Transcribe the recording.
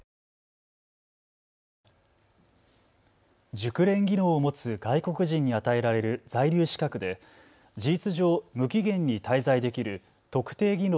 熟練技能を持つ外国人に与えられる在留資格で事実上、無期限に滞在できる特定技能